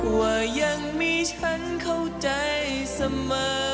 ว่ายังมีฉันเข้าใจเสมอ